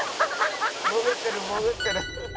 「潜ってる潜ってる」